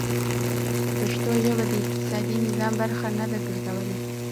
پښتو ژبه د اقتصادي نظام برخه نه ده ګرځېدلې.